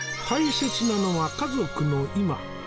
大切なのは家族の今